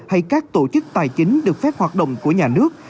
hay các tổ chức tài chính được phép hoạt động của nhà nước